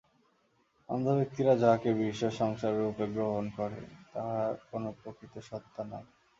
অজ্ঞ ব্যক্তিরা যাহাকে বিশ্ব-সংসাররূপে গ্রহণ করে, তাহার কোন প্রকৃত সত্তা নাই।